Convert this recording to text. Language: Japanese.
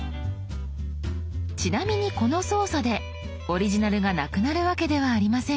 ちなみにこの操作でオリジナルがなくなるわけではありません。